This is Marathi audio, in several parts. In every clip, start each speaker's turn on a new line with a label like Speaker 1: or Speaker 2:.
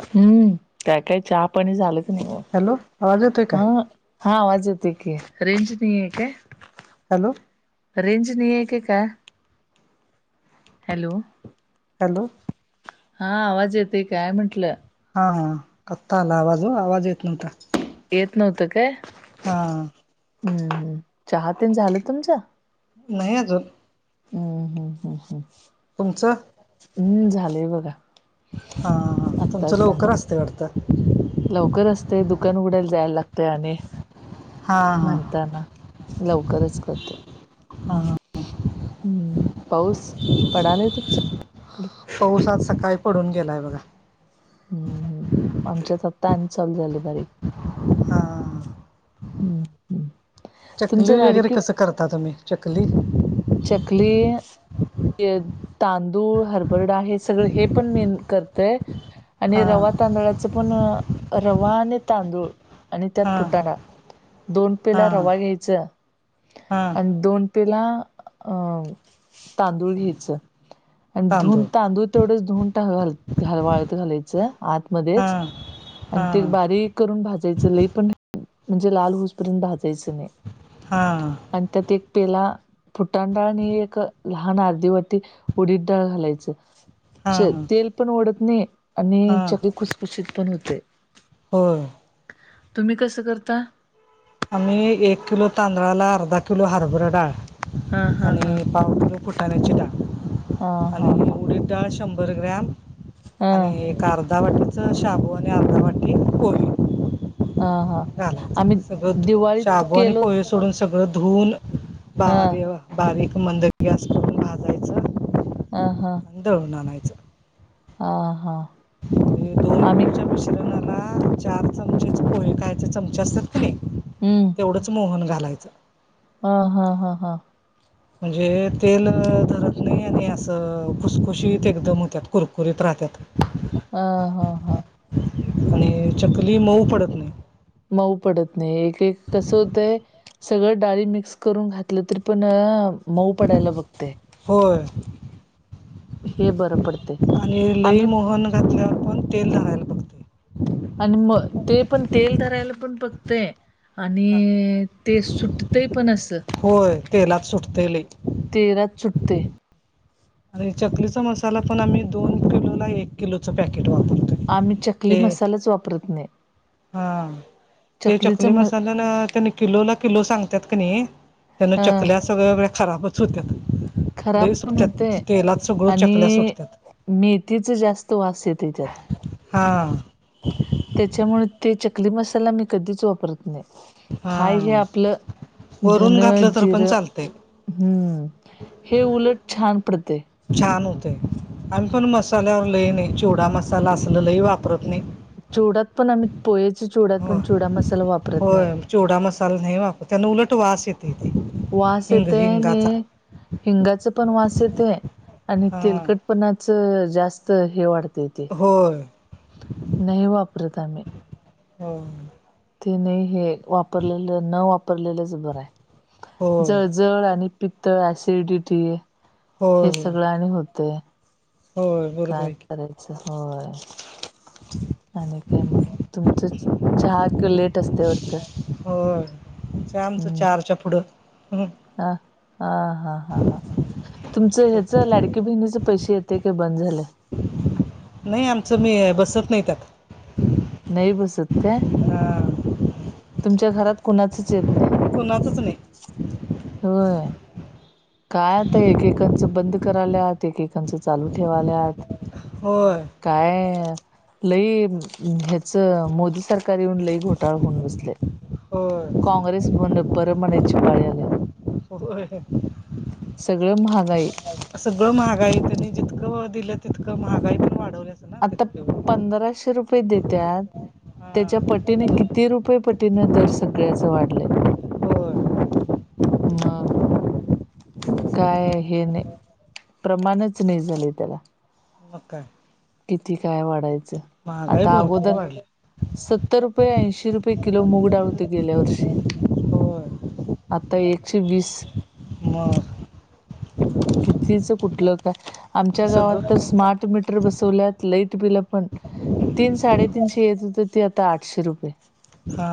Speaker 1: हम्म, काय काय चहा पाणी झालं
Speaker 2: हॅलो आवाज येतोय काय
Speaker 1: हा हा, आवाज येतोय की, रेंज नाही काय?
Speaker 2: हॅलो!
Speaker 1: रेंज नाही आहे का काय? हॅलो!
Speaker 2: हॅलो!
Speaker 1: हा आवाज येतोय काय म्हंटलं?
Speaker 2: हा हा, आता आला आवाज व, आवाज येत नव्हता.
Speaker 1: येत नव्हतं काय?
Speaker 2: हा
Speaker 1: हम्म हम्म. चहा तेन झालं तुमचं?
Speaker 2: नाही अजून.
Speaker 1: हम्म हम्म हम्म हम्म
Speaker 2: तुमचं
Speaker 1: हम्म झालंय बघा,
Speaker 2: हा हा तुमचं
Speaker 1: आत्ताच झालं.
Speaker 2: [unintelligible] वाटतं
Speaker 1: लवकर असतंय, दुकान उघडायला जायला लागते आणि.
Speaker 2: हा हा
Speaker 1: म्हणताना, लवकरच करतो. हम्म, पाऊस पडालाय तुमचा
Speaker 2: पाऊस आज सकाळी पडून गेलाय बघा.
Speaker 1: हम्म हम्म, आमच्यात आत्ता आणि चालू झालीय बारीक.
Speaker 2: हा
Speaker 1: हम्म हम्म
Speaker 2: चकली
Speaker 1: तुमचं
Speaker 2: वगैरे
Speaker 1: लाडकी
Speaker 2: कसं करता तुम्ही, चकली?
Speaker 1: चकली ते तांदूळ, हरभरा डाळ हे सगळं हे पण मीन करतय आणि
Speaker 2: हा
Speaker 1: रवा तांदूळाच पण रवा आणि तांदूळ आणि त्यात
Speaker 2: हा
Speaker 1: फुटाणा दोन पेला
Speaker 2: हा
Speaker 1: रवा घ्याय च
Speaker 2: हा
Speaker 1: आणि दोन पेला अ तांदूळ घ्यायच आणि धून तांदूळ तेवढंच धून घाल घाल वाळत घालायचं
Speaker 2: हा
Speaker 1: आतमध्येध्येच आणि
Speaker 2: हा
Speaker 1: ते बारीक करून भाजायच लय पण म्हणजे लाल ऊस पर्यंत भाजायचं नाही.
Speaker 2: हां!
Speaker 1: आणि त्यात एक पेला फुटाणे आणि एक लहान आर्धी वाटी उडीद डाळ घालायचं.
Speaker 2: हा
Speaker 1: च तेल पण ओढत नाही
Speaker 2: हा
Speaker 1: आणि चकी खुसखुशीत पण होते.
Speaker 2: होय!
Speaker 1: तुम्ही कसं करता?
Speaker 2: आम्ही एक किलो तांदळाला अर्धा किलो हरभरा डाळ
Speaker 1: हा हा हा
Speaker 2: आणि पाव किलो फुटाण्याची डाळ
Speaker 1: हा हा
Speaker 2: आणि
Speaker 1: हा
Speaker 2: उडीद डाळ शंभर ग्रॅम आणि
Speaker 1: हा
Speaker 2: हे आ अर्धा वाटीचं शाबू आणि अर्धा वाटी पोहे.
Speaker 1: हा हा
Speaker 2: घालायचं
Speaker 1: आम्ही
Speaker 2: सगळं
Speaker 1: दिवाळीत
Speaker 2: शाबू आणि
Speaker 1: केलो
Speaker 2: पोहे सोडून सगळं धुवून
Speaker 1: हा
Speaker 2: बारी बारीक मंद गॅस भाजायचं
Speaker 1: ह हा!
Speaker 2: दळून आणायचं.
Speaker 1: हा हा!
Speaker 2: दोन
Speaker 1: आम्ही
Speaker 2: किलोच्या मिश्रणाला चार चमचेचे पोहे खायचे चमचे असतात का नाही!
Speaker 1: हम्म!
Speaker 2: तेवढंच मोहन घालायचं.
Speaker 1: हा हा हा हां!
Speaker 2: म्हणजे तेल धरत नाही आणि असं फुसखुशीत एकदम होतात कुरकुरीत राहतात.
Speaker 1: ह हा हा!
Speaker 2: आणि चकली मऊ पडत नाही.
Speaker 1: मऊ पडत नाही एक एक कसं होतंय सगळं डाळी मिक्स करून घातलं तरी पण मऊ पडायला बघतय.
Speaker 2: होय
Speaker 1: हे बरं पडतय
Speaker 2: आणि लई
Speaker 1: आम्ही
Speaker 2: मोहन घातल्यावर पण तेल धराय
Speaker 1: आणि मग ते पण तेल धरायला पण बघतय. आणि ते सुटतंय पण अस.
Speaker 2: होय तेलात सुटतंय लय.
Speaker 1: तेलात सुटतंय.
Speaker 2: आणि चकलीचा मसाला पण आम्ही दोन किलोला एक किलोचं पॅकेट वापरतोय.
Speaker 1: आम्ही चकली
Speaker 2: ते
Speaker 1: मसालाच वापरत नाही.
Speaker 2: हा ना ते
Speaker 1: चकलीच
Speaker 2: चकली
Speaker 1: म
Speaker 2: मसाला त्यांनी किलो ला किलो सांगतात का नाही त्यांन
Speaker 1: अ
Speaker 2: चकल्या सगळ्या बाई खराबच होतात.
Speaker 1: खराब
Speaker 2: लय
Speaker 1: पण होतय
Speaker 2: सुटतात तेलात सगळं चकल्या
Speaker 1: आणि
Speaker 2: सुटतात.
Speaker 1: मेथीच जास्त वास येते त्यात.
Speaker 2: हा!
Speaker 1: त्याच्यामुळे ते चकली मसाला मी कधीच वापरत नाही. हाय हे
Speaker 2: हा
Speaker 1: आपलं
Speaker 2: वरून
Speaker 1: धन
Speaker 2: घातलं तर पण
Speaker 1: जिरं
Speaker 2: चालतंय
Speaker 1: हम्म हे उलट छान पडतंय.
Speaker 2: छान होतंय आम्ही पण मसाल्यावर लय नाही चिवडा मसाला असल लय वापरत नाही.
Speaker 1: चिवड्यात पण आम्ही पोयचे चिवड्यात पण
Speaker 2: होय
Speaker 1: चिवडा मसाला वापरत
Speaker 2: होय
Speaker 1: नाही.
Speaker 2: चिवडा मसाला नाही वापर त्यांना उलट वास येतय.
Speaker 1: वास येत ना हिंगाचं पण वास येते आणि
Speaker 2: हा
Speaker 1: तेलकटपणाच जास्त हे वाढत
Speaker 2: होय
Speaker 1: नाही वापरता मी
Speaker 2: हा
Speaker 1: ते नाही हे वापरलेलं न वापरलेलंच बर आहे ज
Speaker 2: होय
Speaker 1: जळ आणि पित्तळ ॲसिडिटी हे सगळं आणि होतें
Speaker 2: हो
Speaker 1: काय करायचं होय आणि काय मग तुमचंच चहा किं लेट असते एवढतं
Speaker 2: हो जामत चारच्या पुढं
Speaker 1: ह हा हा हा हा तुमचं ह्याच लाडकी बहिणीच पैसे येते काय बंद झालं
Speaker 2: नाही आमचं मी बसत नाही त्यात
Speaker 1: नाहीय बसत का
Speaker 2: हा
Speaker 1: तुमच्या घरात कुणाचच येत नाही
Speaker 2: कोणा कच नाही
Speaker 1: हो काय आता एकेकांचं बंद कराल्यात एकेकांचं चालू ठेवाल्यात
Speaker 2: होय
Speaker 1: काय लई ह्याच मोदी सरकार रीन लई घोटाळ होऊन बसले
Speaker 2: होय
Speaker 1: काँग्रेस बर म्हणायची पाळी आले
Speaker 2: हो
Speaker 1: सगळं महागाई
Speaker 2: सगळं महागाई त्यांनी जितकं दिलं तितकं महागाई पण वाढवल्या स
Speaker 1: आता पंधराशे रुपये देतत
Speaker 2: हा
Speaker 1: त्याच्या पटीने किती रुपये पटीने दर सगळ्याच वाढलंय
Speaker 2: होय
Speaker 1: न काय हे नाही प्रमाणच नाही झाले त्याला
Speaker 2: मकाय
Speaker 1: किती काय वाढायचं आता
Speaker 2: भरपूर
Speaker 1: अगोदर
Speaker 2: वाढली
Speaker 1: सत्तर रुपये ऐंशी रुपये किलो मूग डाळवते गेल्या वर्षी
Speaker 2: होय
Speaker 1: आता एकशे वीस
Speaker 2: मग
Speaker 1: कितीच कुठलं काय आमच्या
Speaker 2: तसं
Speaker 1: गावात तर
Speaker 2: ग
Speaker 1: स्मार्ट मट बसल्या लाईट बिल पण तीन साडेतीीनशे येत होत ते आ आठशे रुपये
Speaker 2: हा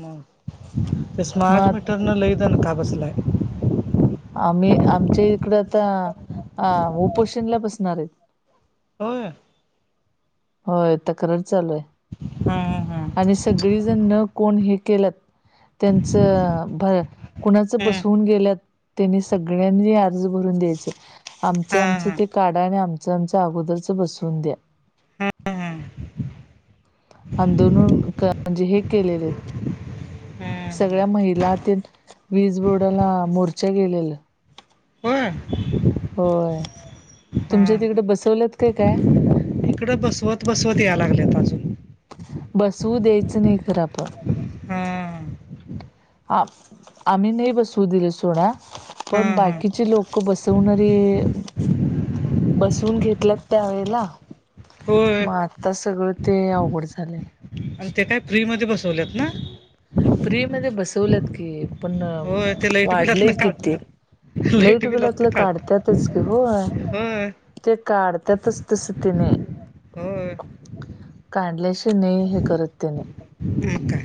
Speaker 2: ह ते स्मार्ट
Speaker 1: मग
Speaker 2: मीटर न लई दे न का बसलाय
Speaker 1: आम्ही आमच्या इकड आता अ उपोषणला बसणार आहेत
Speaker 2: हो
Speaker 1: होय तक्रार चालू आहे
Speaker 2: हा हा हा
Speaker 1: आणि सगळीजण न कोण हे केल्यात त्यांचंर कुणाच बसवून गेल्यात त्यांनी सगळ्यांनी अर्ज भरून द्यायचं
Speaker 2: हा
Speaker 1: आमचं आमचं
Speaker 2: हा
Speaker 1: ते कार्ड आणि आ आमच अगोदरच बसवून द्या
Speaker 2: हा
Speaker 1: आंदोलन म्हणजे हे केलेले
Speaker 2: हा
Speaker 1: सगळ्या महिलातील वीज बोर्डाला मोर्चा गेलेला
Speaker 2: हो
Speaker 1: होय तुमच्या तिकडे बसवल्यात काय काय
Speaker 2: इकडं बसवत बसवत यायला लागलेत अजून
Speaker 1: बसवू द्यायचं नाही खरं आपण
Speaker 2: हम्
Speaker 1: हा आम्ही नाही बसवू दिले सोन्या.
Speaker 2: हा
Speaker 1: पण
Speaker 2: हा
Speaker 1: बाकीचे लोक बसवणारे. बसून घेतल्यात त्यावेेळेला
Speaker 2: होय
Speaker 1: मग आता सगळं ते अवघड झालंय.
Speaker 2: आणि ते काय फ्री म बसवलेत ना.
Speaker 1: प्र्री मध्ये बसवलत की पण
Speaker 2: होय ते लाईट बिलात
Speaker 1: वाढलंय
Speaker 2: ना
Speaker 1: किती.
Speaker 2: काढणार
Speaker 1: लाईट
Speaker 2: बिलात
Speaker 1: बलातलं
Speaker 2: काढणार
Speaker 1: काढततच की हो.
Speaker 2: होय
Speaker 1: ते काढ त्यातच तसं तिने.
Speaker 2: हो.
Speaker 1: काढल्याशी नाही हे करत त्या नाही.
Speaker 2: अ का.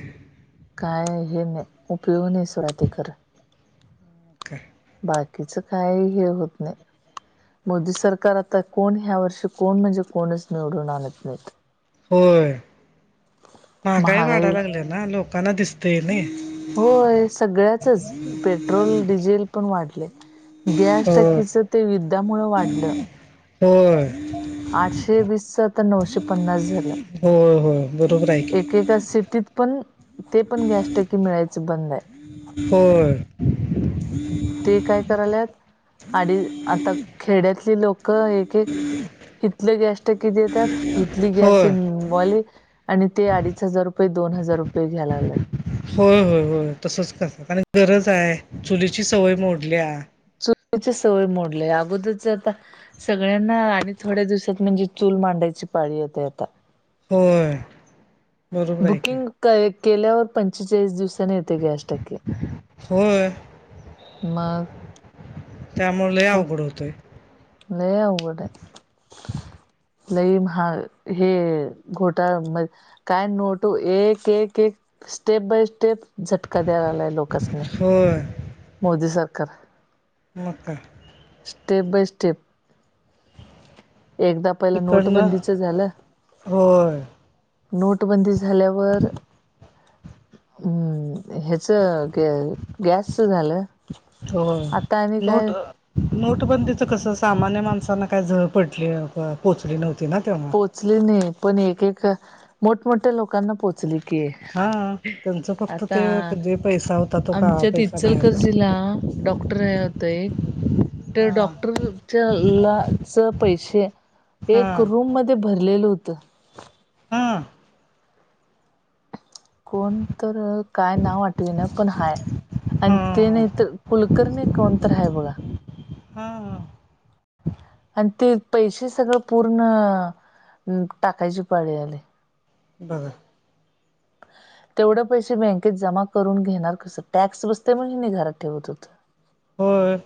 Speaker 1: काय हे न उपयोग नाही सुड ते कर.
Speaker 2: मग काय
Speaker 1: बाकीच काय हे होत नाही. मोदी सरकार आता कोण ह्या वर्षी कोण म्हणजे कोणच निवडून आणत नाहीत.
Speaker 2: होय. महागाई वाढा लागले ना लोकांना दिसतेय नाही.
Speaker 1: होय सगळ्याचच पेट्रोल डिझेल पण वाढले. गॅस
Speaker 2: हो
Speaker 1: टकीचं ते दिल्यामुळं वाढलं.
Speaker 2: होय
Speaker 1: आठशे वीसच तर नऊशे पन्नास झालं.
Speaker 2: हो हो बरोबर आहे ऐक.
Speaker 1: एका सेटीत पण ते पण गॅस टक्कीे मिळायच बंद आहे.
Speaker 2: होर.
Speaker 1: ते काय करायलेत आणि आता खेड्यातली लोकं एक एक. इथलं गॅस्ट किती येतात. इथली गॅस
Speaker 2: होय
Speaker 1: इनवाले आणि ते अडीच हजार रुपये दोन हजार रुपये घ्या लागलात.
Speaker 2: होय होय होय तसच कसं कारण गरज आहे चुलीची सवय मोडल्या.
Speaker 1: चणे सवय मोडले अगोदचे आता सगळ्यांना आणि थोड्या दिवसात म्हणजे चूल मांडायची पाळी येते आता.
Speaker 2: हो.
Speaker 1: बुकिंग केल्यावर पंचेचाळीस दिवसाांनी येते गॅस्टॅक
Speaker 2: होय
Speaker 1: मग
Speaker 2: त्यामुळे अवघड होतय.
Speaker 1: ल उंट लईम हा हे घोटा म काय नोटो एक एक एक स्टेप बाय स्टेप झटका द्यायलाय लोकचने
Speaker 2: होय
Speaker 1: मोदी सरकार
Speaker 2: [inaudible]
Speaker 1: स्टेप बाय स्टेप एकदा पहिला
Speaker 2: तिकडनं
Speaker 1: नोटबंदीच झालं.
Speaker 2: होय
Speaker 1: नोटबंदी झाल्यावर. हम्म ह्याच ग गॅसच झालं.
Speaker 2: हो
Speaker 1: आता आणि
Speaker 2: नोट.
Speaker 1: काय
Speaker 2: नोटबंदीच कसं सामान्य माणसांना काय झळा पडली पोचली नव्हती ना ते
Speaker 1: पोचली नाही पण एक एक मोठमोठ्या लोकांना पो.. चलक.
Speaker 2: हा त्यांचं फक्त ते जे पैसा होता. तो का
Speaker 1: आमच्या इचलकरंजीत
Speaker 2: पैसा बाहेर पडला
Speaker 1: चलकरर्जीला. डॉक्टर होत एक त्या
Speaker 2: हा
Speaker 1: डॉक्टरच्या ला च पैसे एक
Speaker 2: हा
Speaker 1: रूम म भरलेलं होतं
Speaker 2: हा
Speaker 1: कोण तर काय नाव वाटली ना पण हाय आणि ते
Speaker 2: हा
Speaker 1: नाही तर. कुलकर्णी कोणतय बघा.
Speaker 2: हा हा.
Speaker 1: आणि ते पैसे सगळं पूर्ण टाकायची पाळी आलि.
Speaker 2: बरं
Speaker 1: तेवढं पैसे बँकेत जमा करून घेणार कसं टॅक्स बसते म्हण मी घरात ठेवत होत.
Speaker 2: होय.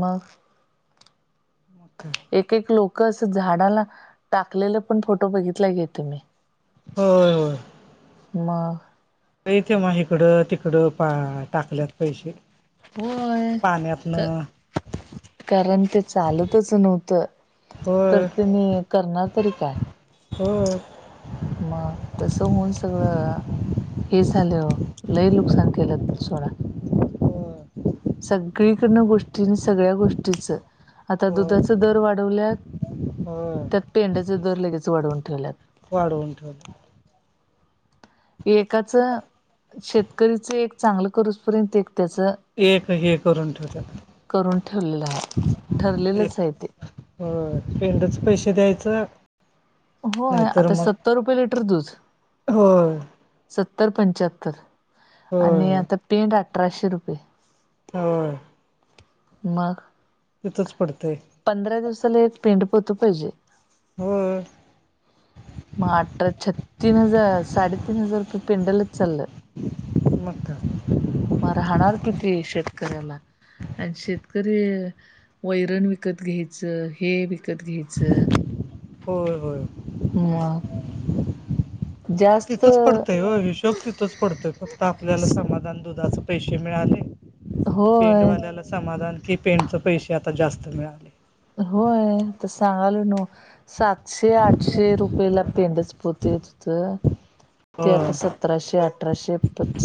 Speaker 1: मग.
Speaker 2: मग काय.
Speaker 1: एक एक लोक असं झाडाला टाकलेलं पण फोटो बघितलाय काय तुम्ही.
Speaker 2: होय होय.
Speaker 1: म
Speaker 2: लय की मग इकडं तिकडं पा टाकल्यात. पैसे
Speaker 1: होय क
Speaker 2: पाण्यातन.
Speaker 1: कारण ते चालतच नव्हतं. तर
Speaker 2: होय
Speaker 1: त्यांनी करणार तरी काय.
Speaker 2: हो.
Speaker 1: मग तसं होऊन सगळं हे झालं हो लई नुकसान केलं सोड.
Speaker 2: होय
Speaker 1: सगळीकडनं गोष्टी आणि सगळ्या गोष्टीच आता
Speaker 2: होय
Speaker 1: दुधाच दर वाढवल्यात.
Speaker 2: होय.
Speaker 1: त्यात पेड्याचे दर लगेच वाढवून ठेवलात.
Speaker 2: वाढउन ठेवल्यात.
Speaker 1: एकाचं शेतकरीच एक चांगलं करोस पर्यंत एक त्याचं
Speaker 2: एक हे करून ठेवल्यत.
Speaker 1: ठेवलेलं आहे. ठरलेलंच आहे ते
Speaker 2: होय पेंडच पैसे द्यायच
Speaker 1: होय आता सत्तर रुपये लिटर दूध
Speaker 2: होय
Speaker 1: सत्तर पंचाहत्तर.
Speaker 2: होय
Speaker 1: आणि
Speaker 2: होय
Speaker 1: आता पेंट अठराशे रुपये.
Speaker 2: होय.
Speaker 1: मग
Speaker 2: तिथच पडतय.
Speaker 1: पंधरा दिवसाला एक पेंड पोत पाहिजे.
Speaker 2: होय.
Speaker 1: म आत्रा छत्तीन हजार साडेतीन हजार रुपये पेंडलच चालल्यात.
Speaker 2: मग काय.
Speaker 1: मग राहणार किती शेतकऱ्याला. आणि शेतकरी वैरण विकत घ्यायचं हे विकत घ्यायचं.
Speaker 2: होय होय.
Speaker 1: मग. जास्त
Speaker 2: तिथंच पडतंय व हिशोब तिथंच पडतोय फक्त आपल्याला समाधान दुधाचे पैसे मिळाले.
Speaker 1: होय
Speaker 2: पेंडवाल्याला समाधान कि पेंटचे पैसे आता जास्त मिळाले.
Speaker 1: होय तर सांगालय नव्ह. सातशे आठशे रुपयेला पेंडच पोत येत होत. ते आता
Speaker 2: होय
Speaker 1: सतराशे अठराशे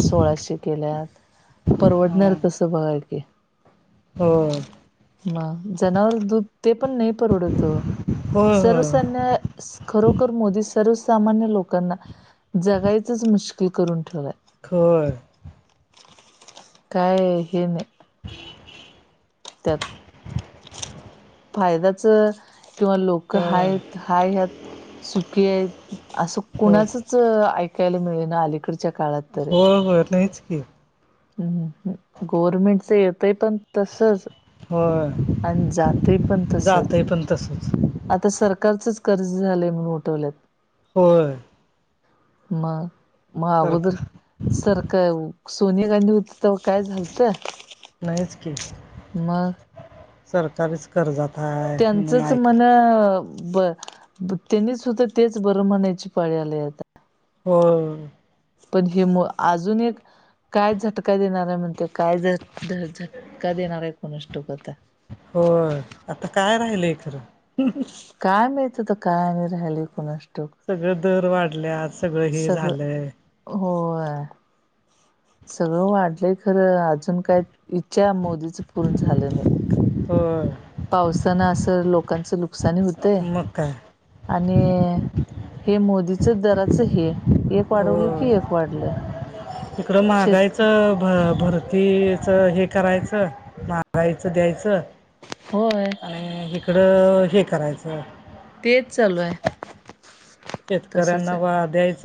Speaker 1: सोळाशे केल्या परवडणार
Speaker 2: हा.
Speaker 1: कस. बघा की
Speaker 2: होय
Speaker 1: मग जनावर तूप ते पण नाही परवडतो
Speaker 2: होय
Speaker 1: सर्वसान्या खरोखर मोदी सर्वसामान्य लोकांना जगायचंच मुश्किल करून ठेवलाय.
Speaker 2: होय.
Speaker 1: काय हे नाही. त्यात फायद्याचं किंवा लोक हायत हा ह्यात सुकी आहेत असं
Speaker 2: होय होय
Speaker 1: कुणाचच ऐकायला मिळे ना अलीकड
Speaker 2: हो हो नाहीच की
Speaker 1: हम् गवर्मेंटच येतंय पण तसच
Speaker 2: होय
Speaker 1: आणि जातय पण
Speaker 2: जात
Speaker 1: तसच
Speaker 2: आहे पण तसंच
Speaker 1: आता सरकारचंच कर्ज झालंय म्हणून उठवल्यात
Speaker 2: हो
Speaker 1: मग मग अगोदर
Speaker 2: सरकार
Speaker 1: सरख सोनिया गांधी होत त काय झालतं
Speaker 2: नासकीे
Speaker 1: मग
Speaker 2: सरकारीच करजात हाय
Speaker 1: त्यांचंच म्हण-अ ब [unintelligible] त्येनी सुद्धा तेच बरं म्हणायची पाळी आलय आता
Speaker 2: [unintelligible] हो
Speaker 1: पण हे म-अजून एक काय झटका देणार हाय म्हणतय काय झ [unintelligible] व झटका देणारय कुणास टाऊक आता
Speaker 2: होय आता काय राहिलय खरं [unintelligible]
Speaker 1: काय मईत आता काय आणि राह्यलय कुणास टाऊक
Speaker 2: सगळ दर वाडल्यात सगळं हे झालंय
Speaker 1: होय सगळं वाढलंय खरं अजून काय इच्छा मोदीचं पूर्ण झालं नाही
Speaker 2: ह
Speaker 1: पावसान असं लोकांचं लूकसानी हूतंय
Speaker 2: मग काय
Speaker 1: आणि-अ हे मोदीच दराचं हे एक
Speaker 2: हो
Speaker 1: वाढवलं की एक वाढलं
Speaker 2: [unintelligible] इकडं
Speaker 1: शेत
Speaker 2: महागायीचं-भ भरत ति-अ च हे करायचं मारायचं द्यायचं
Speaker 1: होय
Speaker 2: आणि हिकडं-अ हे करायचं
Speaker 1: तेच चालू आहे तसच आहे
Speaker 2: शेतकऱ्यांना वा द्यायच